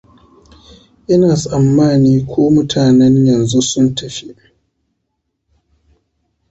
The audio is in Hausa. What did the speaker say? Ina tsammani ku mutanen yanzu sun tafi.